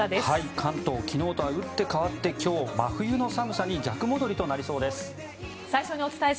関東昨日とは打って変わって今日は真冬の寒さに逆戻りになりそうです。